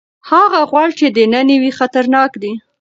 هغه غوړ چې دننه وي خطرناک دي.